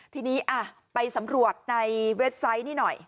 ทีนี้ไปสำรวจในเว็บไซต์นี่หน่อย